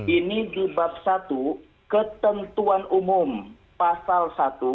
ini di bab satu ketentuan umum pasal satu